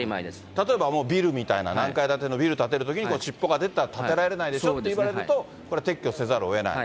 例えばもうビルみたいな何階建てのビル建てるときに尻尾が出たら建てられないでしょって言われると、これ、撤去せざるをえない。